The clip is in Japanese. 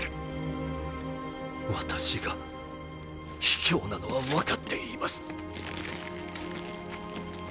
私がひきょうなのは分かっています